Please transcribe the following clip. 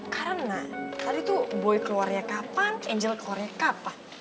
karena tadi tuh boy keluarnya kapan angel keluarnya kapan